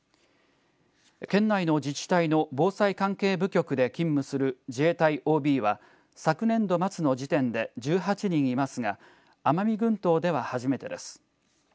県内の自治体の防災関係部局で勤務する自衛隊ＯＢは昨年度末の時点で１８人いますが奄美群島では初めてです。